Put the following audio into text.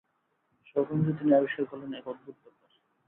সহকর্মীদের তিনি আবিষ্কার করলেন এক অদ্ভুত ব্যাপার।